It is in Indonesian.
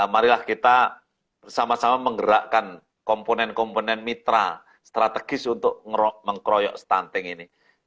marilah kita bersama sama menggerakkan komponen komponen mitra strategis untuk mengkroyok stunting ini